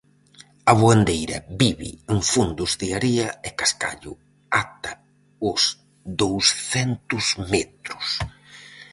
A voandeira vive en fondos de area e cascallo ata os douscentos metros.